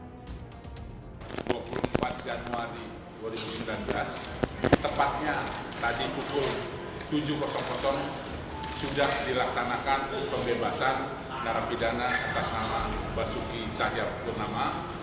pukul empat januari dua ribu sembilan belas tepatnya tadi pukul tujuh sudah dilaksanakan pembebasan narapidana atas nama basuki cahayapurnama